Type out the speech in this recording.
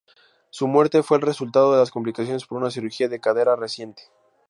Su muerte fue el resultado de complicaciones por una cirugía de cadera reciente.